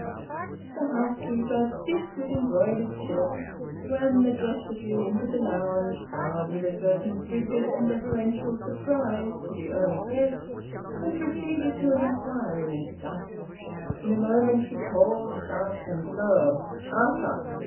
The housekeeper, stiff with embroidered silk, swam majestically into the lounge, bowed with a certain frigid and deferential surprise to the early guest, and proceeded to an inquiry into dust. In a moment she called, sharp and low "Arthur!"